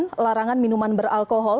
dan larangan minuman beralkohol